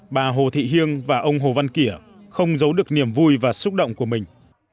bà hồ thị hiêng và ông hồ văn kỷa không giấu được niềm vui và xúc động của mình